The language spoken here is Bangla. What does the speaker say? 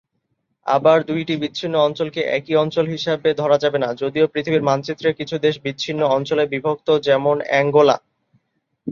আবার, দুইটি বিচ্ছিন্ন অঞ্চলকে একই অঞ্চল হিসাবে ধরা যাবে না, যদিও পৃথিবীর মানচিত্রে কিছু দেশ বিচ্ছিন্ন অঞ্চলে বিভক্ত, যেমন অ্যাঙ্গোলা।